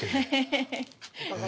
ヘヘヘヘ。